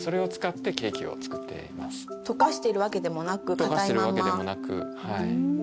溶かしているわけでもなく硬いまま。